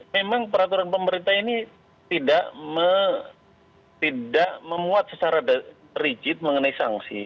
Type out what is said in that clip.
memang peraturan pemerintah ini tidak memuat secara rigid mengenai sanksi